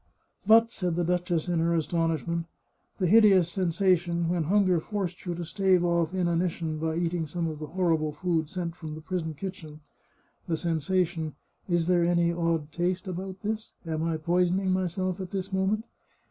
" But," said the duchess in her astonishment, " the hideous sensation, when hunger forced you to stave oflf inanition by eating some of the horrible food sent from the prison kitchen, the sensation — Is there any odd taste about this? Am I poisoning myself at this moment?